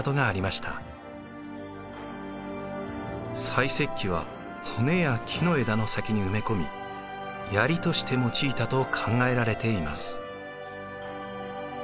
細石器は骨や木の枝の先に埋め込みヤリとして用いたと考えられています。